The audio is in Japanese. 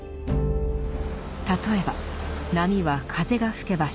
例えば波は風が吹けば生じます。